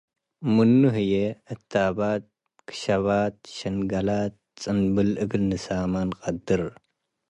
ምኑ ህዬ፡ እተባት፡ ክሸባት፣ ሽንገላት፣ ጽንብላት እግል ንሳሜ እንቀድር ።